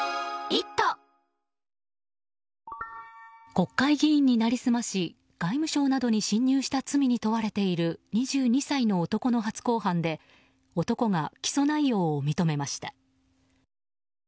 国会議員に成り済まし外務省などに侵入した罪に問われている２２歳の男の初公判で男が起訴内容を認めました。